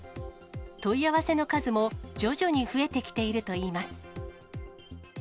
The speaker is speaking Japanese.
問い合わせの数も徐々に増えてきているといいます。